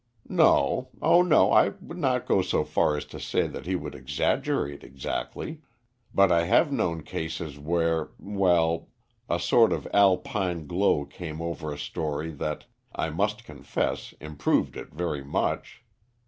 "No; oh no. I would not go so far as to say that he would exaggerate exactly, but I have known cases where well a sort of Alpine glow came over a story that, I must confess, improved it very much.